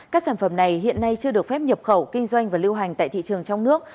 các sản phẩm này hiện nay chưa được phép nhập khẩu kinh doanh và lưu hành tại thị trường trong nước